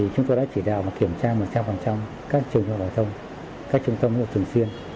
chúng tôi đã chỉ đạo và kiểm tra một trăm linh các trường trung học phổ thông các trung tâm hội thường xuyên